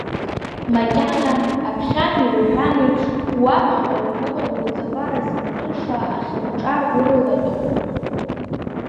Макьана, аԥхьан иуҳәан еиԥш, уаԥхьаҟа угәыӷра уҵабаразымтәыша ахьыбҿар уры-латәоуп.